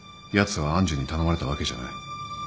やつは愛珠に頼まれたわけじゃない。